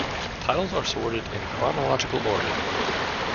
Titles are sorted in chronological order.